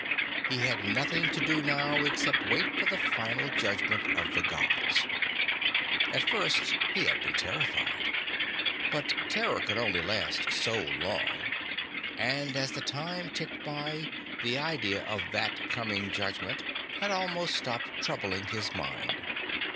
He had nothing to do now except wait for the final judgment of the Gods. At first he had been terrified. But terror could only last so long, and, as the time ticked by, the idea of that coming judgment had almost stopped troubling his mind.